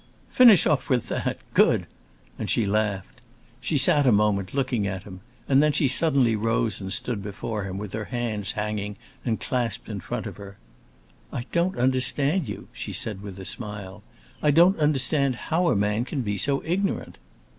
"Finish off with that—good!" And she laughed. She sat a moment, looking at him, and then she suddenly rose and stood before him, with her hands hanging and clasped in front of her. "I don't understand you," she said with a smile. "I don't understand how a man can be so ignorant."